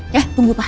ya tunggu pak